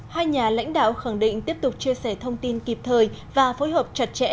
hai nhà lãnh đạo khẳng định tiếp tục chia sẻ thông tin kịp thời và phối hợp chặt chẽ